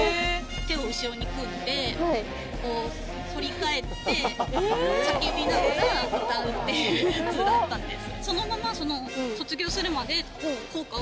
手を後ろに組んで反り返って叫びながら歌うっていうやつだったんです。